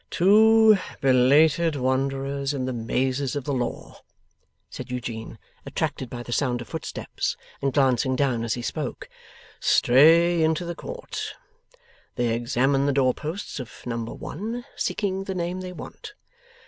'Two belated wanderers in the mazes of the law,' said Eugene, attracted by the sound of footsteps, and glancing down as he spoke, 'stray into the court. They examine the door posts of number one, seeking the name they want.